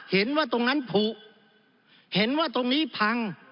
เห็นว่าตรงนั้นผูกเห็นว่าตรงนี้พัง